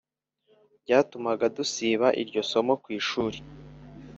byatumaga dusiba iryo somo ku ishuri